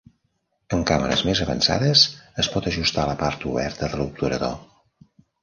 En càmeres més avançades es pot ajustar la part oberta de l'obturador.